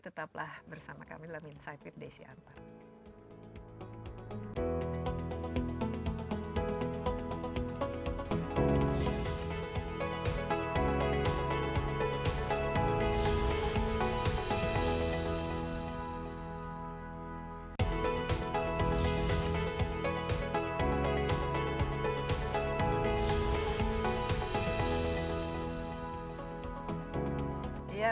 tetaplah bersama kami di insight with desi antara